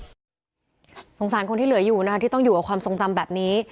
สงสารคนที่เหลืออยู่นะคะที่ต้องอยู่กับความทรงจำแบบนี้